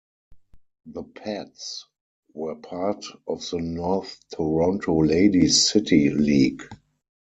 The Pats were part of the North Toronto Ladies' City League.